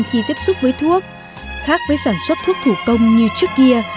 khi tiếp xúc với thuốc khác với sản xuất thuốc thủ công như trước kia